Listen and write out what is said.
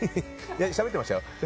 しゃべってましたよ。